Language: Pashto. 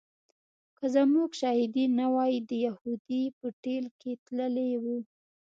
که زموږ شاهدي نه وای د یهودي په ټېل کې تللی و.